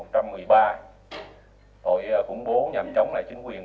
tội khủng bố nhằm chống lại chính quyền